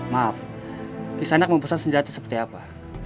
maaf bisa enak membesar senjata seperti apa